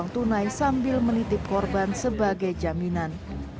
pelaku mengambil uang tunai sambil menitip korban sebagai jaminan